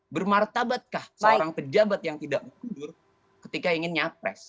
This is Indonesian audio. bermartabatkah seorang pejabat yang tidak mundur ketika ingin nyapres